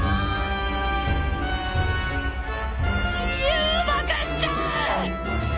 誘爆しちゃう！